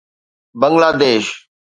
Bangla Desh